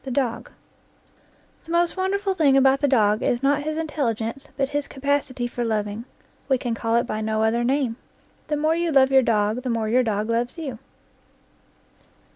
THE DOG The most wonderful thing about the dog is not his intelligence, but his capacity for loving. We can call it by no other name. The more you love your dog, the more your dog loves you.